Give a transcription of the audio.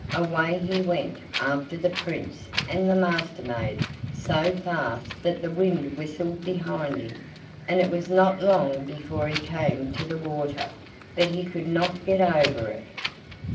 Away he went after the Prince and the Master maid so fast that the wind whistled behind him, and it was not long before he came to the water, but he could not get over it.